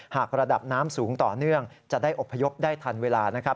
หากระดับน้ำสูงต่อเนื่องจะได้อบพยพได้ทันเวลานะครับ